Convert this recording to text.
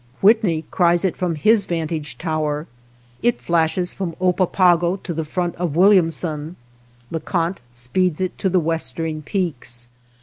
Whitney cries it from his vantage tower; it flashes from Oppa pago to the front of Williamson ; LeConte speeds it to the westering peaks.